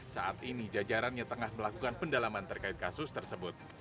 saat ini jajarannya tengah melakukan pendalaman terkait kasus tersebut